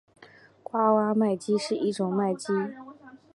爪哇麦鸡是一种麦鸡。